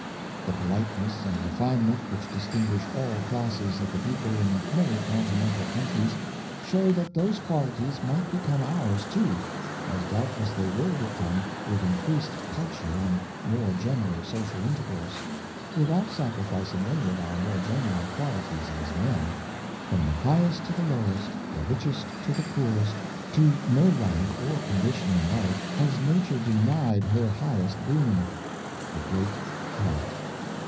The politeness and refinement which distinguish all classes of the people in many continental countries show that those qualities might become ours too — as doubtless they will become with increased culture and more gen eral social intercourse — without sacrificing any of our more genuine qualities as men. From the highest to the lowest, the richest to the poorest, to no rank or con* lition in life has nature denied her highest boon — the reat heart.